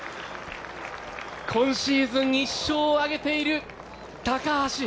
今シーズン１勝を挙げている、高橋。